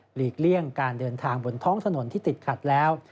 ลีกเลี่ยงการเดินทางบนท้องถนนที่ติดขัดแล้ว